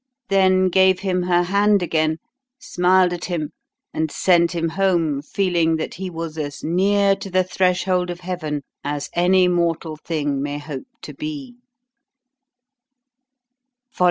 Then gave him her hand again, smiled at him, and sent him home feeling that he was as near to the threshold of heaven as any mortal thing may hope to be.